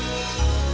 nanti kita berbicara